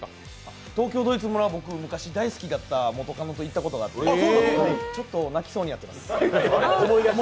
東京ドイツ村、僕昔、大好きだった元カノと行ったことがあってちょっと泣きそうになってます。